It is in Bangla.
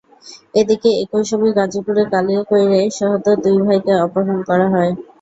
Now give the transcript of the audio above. এদিকে একই সময় গাজীপুরের কালিয়াকৈরে সহোদর দুই ভাইকে অপহরণ করা হয়।